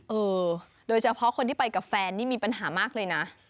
เออโดยเฉพาะคนที่ไปกับแฟนนี่มีปัญหามากเลยนะ